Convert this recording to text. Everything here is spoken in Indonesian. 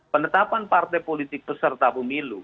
penetapan partai politik peserta pemilu